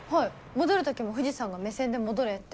戻る時も藤さんが目線で「戻れ」って。